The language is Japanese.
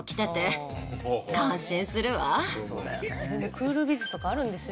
クールビズとかあるんですよ。